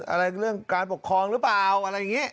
อะไรเรื่องการปกครองหรือเปล่า